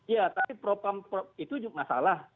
ya tapi propam itu masalah